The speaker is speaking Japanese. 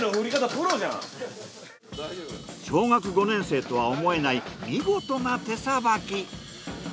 小学５年生とは思えない見事な手さばき。